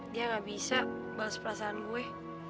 dia gak bisa bahas perasaan gue